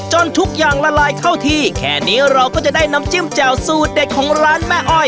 ทุกอย่างละลายเข้าที่แค่นี้เราก็จะได้น้ำจิ้มแจ่วสูตรเด็ดของร้านแม่อ้อย